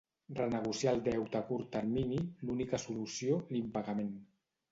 Renegociar el deute a curt termini; l’única solució, l’impagament.